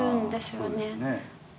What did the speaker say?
そうですね。